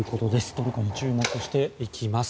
トルコに注目してきます。